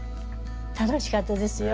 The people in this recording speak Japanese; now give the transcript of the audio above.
楽しかったですよ。